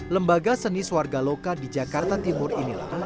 lembaga seni suarga loka di jakarta timur inilah